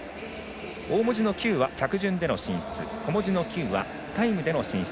大文字のＱは、着順での進出小文字のｑは、タイムでの進出。